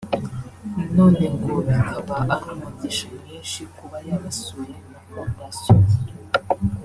none ngo bikaba ari umugisha mwinshi kuba yabasuye na Fondation ye